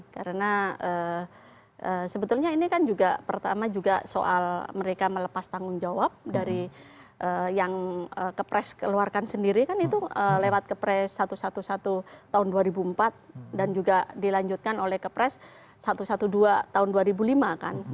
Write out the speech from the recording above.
karena sebetulnya ini kan juga pertama juga soal mereka melepas tanggung jawab dari yang kepres keluarkan sendiri kan itu lewat kepres satu ratus sebelas tahun dua ribu empat dan juga dilanjutkan oleh kepres satu ratus dua belas tahun dua ribu lima kan